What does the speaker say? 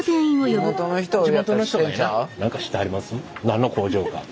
何の工場か。